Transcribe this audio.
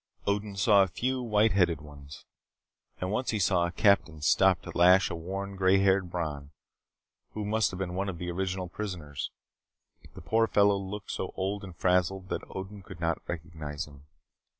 Odin saw a few white headed ones. And once he saw a captain stop to lash a worn, gray haired Bron who must have been one of the original prisoners. The poor fellow looked so old and frazzled that Odin could not recognize him.